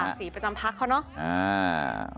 คุณวราวุฒิศิลปะอาชาหัวหน้าภักดิ์ชาติไทยพัฒนา